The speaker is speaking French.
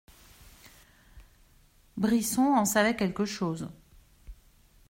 Brisson en savait quelque chose.